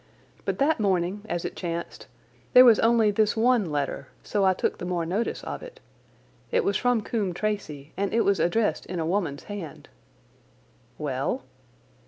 But that morning, as it chanced, there was only this one letter, so I took the more notice of it. It was from Coombe Tracey, and it was addressed in a woman's hand." "Well?"